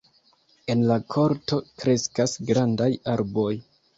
En la korto kreskas grandaj arboj.